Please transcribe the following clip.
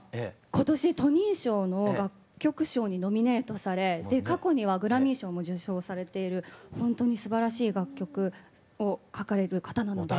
今年トニー賞の楽曲賞にノミネートされ過去にはグラミー賞も受賞されているほんとにすばらしい楽曲を書かれる方なので。